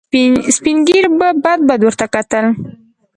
سپين ږيرو به بد بد ورته وکتل.